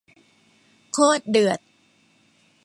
โคตรเดือด